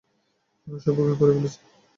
আমি সব বুকিং করে ফেলেছি।